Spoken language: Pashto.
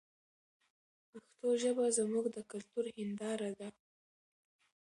پښتو ژبه زموږ د کلتور هنداره ده.